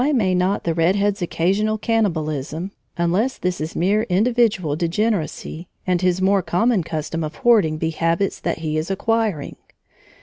Why may not the red head's occasional cannibalism, unless this is mere individual degeneracy, and his more common custom of hoarding be habits that he is acquiring?